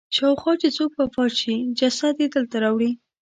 شاوخوا چې څوک وفات شي جسد یې دلته راوړي.